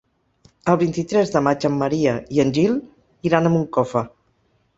El vint-i-tres de maig en Maria i en Gil iran a Moncofa.